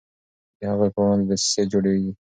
د هغوی پر وړاندې دسیسې جوړیږي.